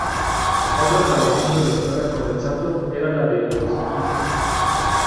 Otra tradición relacionada con el santo era la de los quintos.